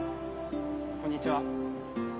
こんにちは